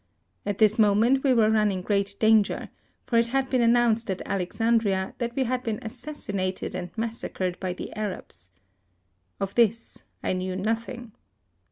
At this moment we were running great danger, for it had been announced at Alexandria that we had been assassinated and massacred by the Arabs. Of this I knew nothing.